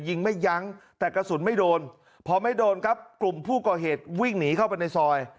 ยิงไม่ยั้งแต่กระสุนไม่โดนพอไม่โดนครับกลุ่มผู้ก่อเหตุวิ่งหนีเข้าไปในซอย